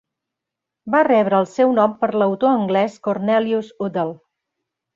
Va rebre el seu nom per l'autor anglès Cornelius Udall.